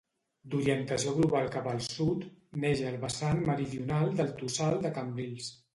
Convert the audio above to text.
D'orientació global cap al sud, neix al vessant meridional del Tossal de Cambrils.